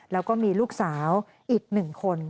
แล้วก็มีลูกสาวอีก๑คน